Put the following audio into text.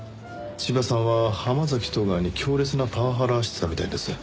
千葉さんは浜崎戸川に強烈なパワハラしてたみたいです。